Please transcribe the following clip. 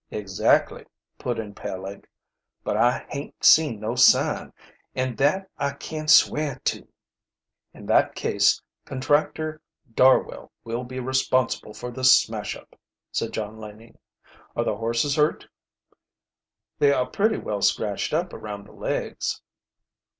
"Exactly," put in Peleg. "But I haint seen no sign, an' that I can swear to." "In that case Contractor Darwell will be responsible for this smash up," said John Laning. "Are the horses hurt?" "They are pretty well scratched up around the legs."